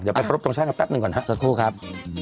เดี๋ยวไปพรบตรงช่างกันแป๊บหนึ่งก่อนครับ